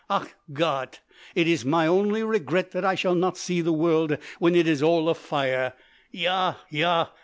Ach Gott!—it iss my only regret that I shall not see the world when it is all afire! Ja!